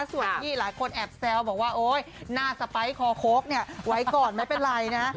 ส่วนที่หลายคนแอบแซวบอกว่าโอ๊ยหน้าสไปร์คอโค้กเนี่ยไว้ก่อนไม่เป็นไรนะ